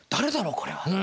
これは？